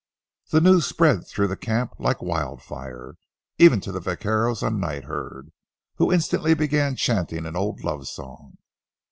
The news spread through the camp like wild fire, even to the vaqueros on night herd, who instantly began chanting an old love song.